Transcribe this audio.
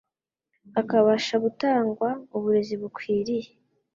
hakabasha gutangwa uburezi bukwiriye